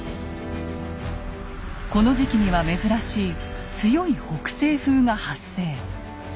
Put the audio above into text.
この時期には珍しい強い北西風が発生。